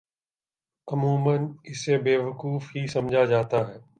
عموما اسے بیوقوف ہی سمجھا جاتا ہے۔